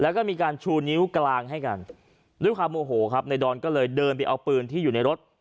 แล้วก็มีการชูนิ้วกลางให้กันด้วยความโมโหครับในดอนก็เลยเดินไปเอาปืนที่อยู่ในรถ